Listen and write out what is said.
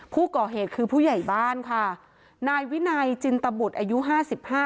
ผู้ก่อเหตุคือผู้ใหญ่บ้านค่ะนายวินัยจินตบุตรอายุห้าสิบห้า